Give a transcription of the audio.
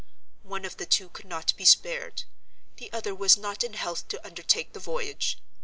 One of the two could not be spared; the other was not in health to undertake the voyage.